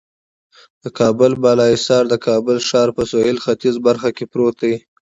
د کابل بالا حصار د کابل ښار په سهیل ختیځه برخه کې پروت دی.